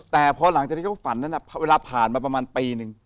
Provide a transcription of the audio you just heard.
แต่พอหลังจากที่เขาฝันนั้นเวลาผ่านมาประมาณปีนึง